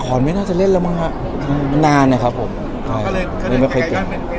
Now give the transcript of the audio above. ละครไม่น่าจะเล่นแล้วมั้งฮะนานน่ะครับผมไม่ไม่ค่อยเจ๋ง